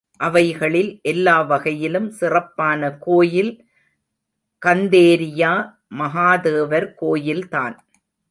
அவைகளில் எல்லா வகையிலும் சிறப்பான கோயில் கந்தேரியா மகாதேவர் கோயில் தான்.